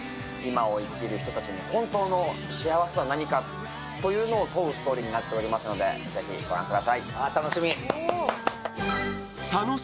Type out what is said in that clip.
今を生きる人たちに本当の幸せとは何かというのを問うストーリーになっておりますので、ぜひ御覧ください。